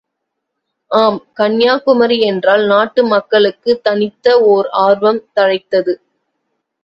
ஆம், கன்யாகுமரி என்றால் நாட்டு மக்களுக்குத் தனித்த ஓர் ஆர்வம் தழைத்தது.